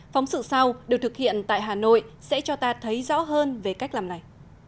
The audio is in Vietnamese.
phóng sự sau được thực hiện tại hà nội sẽ cho ta thấy rõ hơn về cách làm này